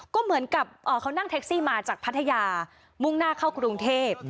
ก็เหมือนกับเขานั่งแท็กซี่มาจากพัทยามุ่งหน้าเข้ากรุงเทพ